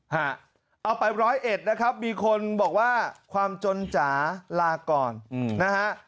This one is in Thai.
เอาไปร้อยเอ็ดนะครับมีคนบอกว่าความจนจ๋าลาก่อนนะฮะ